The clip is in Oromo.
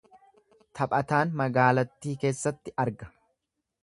Taphataan magaalattii keessatti arga.